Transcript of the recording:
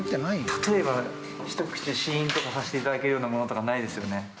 例えば、一口試飲とかさせていただけるようなものとかないですよね？